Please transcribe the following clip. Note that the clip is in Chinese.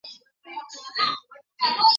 清代文学家。